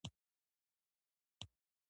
کله چې د ماښام لمونځ خلاص شو خوشاله شو.